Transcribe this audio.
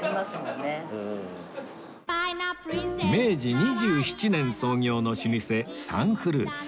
明治２７年創業の老舗サン・フルーツ